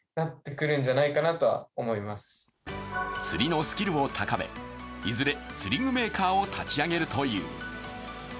釣りのスキルを高め、いずれ釣り具メーカーを立ち上げるという。